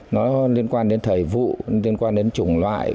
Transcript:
nó liên quan đến thời vụ liên quan đến chủng loại